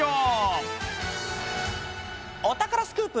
お宝スクープ